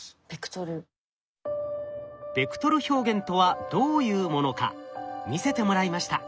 ベクトル表現とはどういうものか見せてもらいました。